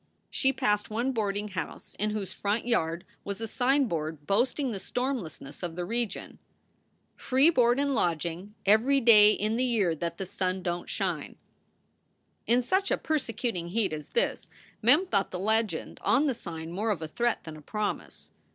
She passed one boarding house in whose front yard was a signboard boasting the stormlessness of the region: Free Board and Lodging Every Day in the Year that The Sun Don t Shine io8 SOULS FOR SALE In such a persecuting heat as this Mem thought the legend on the sign more of a threat than a promise.